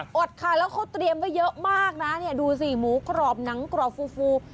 ดค่ะแล้วเขาเตรียมไว้เยอะมากนะเนี่ยดูสิหมูกรอบหนังกรอบฟูฟู